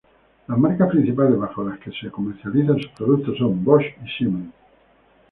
Las marcas principales bajo las que comercializa sus productos son Bosch y Siemens.